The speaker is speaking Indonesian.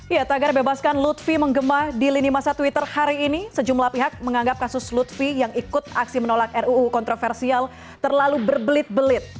ya tagar bebaskan lutfi menggema di lini masa twitter hari ini sejumlah pihak menganggap kasus lutfi yang ikut aksi menolak ruu kontroversial terlalu berbelit belit